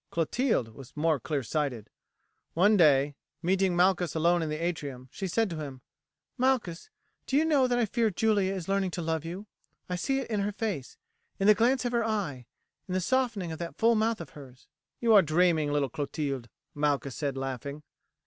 Clotilde was more clear sighted. One day meeting Malchus alone in the atrium she said to him: "Malchus, do you know that I fear Julia is learning to love you. I see it in her face, in the glance of her eye, in the softening of that full mouth of hers." "You are dreaming, little Clotilde," Malchus said laughing.